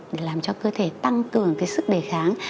để làm cho cơ thể tăng cường sức đề kháng